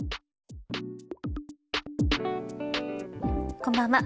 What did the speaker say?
こんばんは。